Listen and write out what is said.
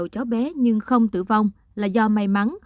những chiếc đinh vào đầu cháu bé nhưng không tử vong là do may mắn